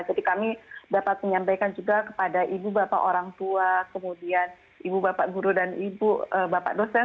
jadi kami dapat menyampaikan juga kepada ibu bapak orang tua kemudian ibu bapak guru dan ibu bapak dosen